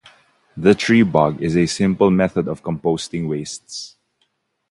The Treebog is a simple method of composting wastes.